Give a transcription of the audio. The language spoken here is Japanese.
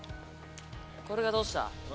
これがどうした？